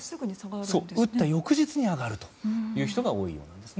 打った翌日に上がるという人が多いようです。